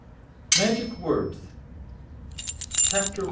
MAGIC WORDS. CHAPTER I.